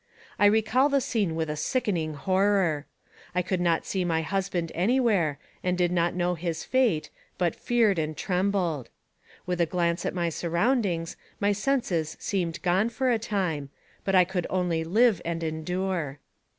I recall the scene with a sickening horror. I could not see my husband anywhere, and did not know his fate, but feared and trembled. With a glance at my surroundings, my senses seemed gone for a time, but I could only live and endure.